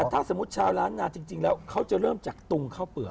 ถ้าสมมุติชาวล้านนาจริงแล้วเขาจะเริ่มจากตุงข้าวเปลือก